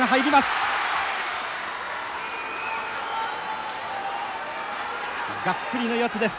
がっぷりの四つです。